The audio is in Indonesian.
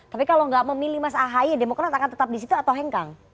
tapi kalau nggak memilih mas ahy demokrat akan tetap di situ atau hengkang